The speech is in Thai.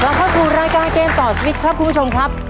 เข้าสู่รายการเกมต่อชีวิตครับคุณผู้ชมครับ